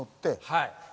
はい。